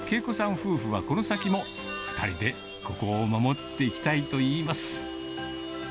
夫婦はこの先も、２人でここを守っていきたいといいます。